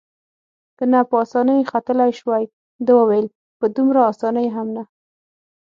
که نه په اسانۍ ختلای شوای، ده وویل: په دومره اسانۍ هم نه.